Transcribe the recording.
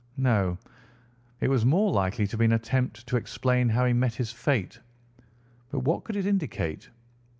No, it was more likely to be an attempt to explain how he met his fate. But what could it indicate?